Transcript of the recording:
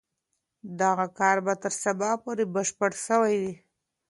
دغه کار به تر سبا پورې بشپړ سوی وي.